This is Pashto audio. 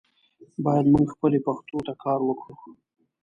باید مونږ خپلې پښتو ته کار وکړو.